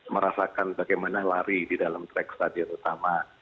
merasakan bagaimana lari di dalam track stadion utama